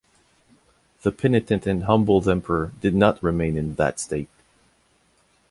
The penitent and humbled emperor did not remain in that state.